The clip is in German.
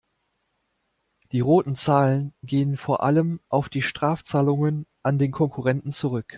Die roten Zahlen gehen vor allem auf die Strafzahlungen an den Konkurrenten zurück.